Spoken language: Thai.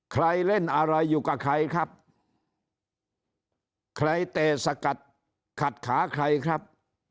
ใครเล่นอะไรอยู่กับใครครับใครเตะสกัดขัดขาใครครับ